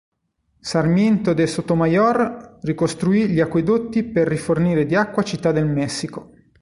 Sarmiento de Sotomayor ricostruì gli acquedotti per rifornire di acqua Città del Messico.